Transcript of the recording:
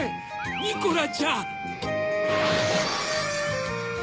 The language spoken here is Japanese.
ニコラちゃん！